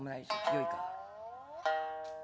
よいか」。